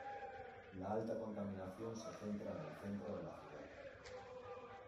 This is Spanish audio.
La alta contaminación se centra en el centro de la ciudad.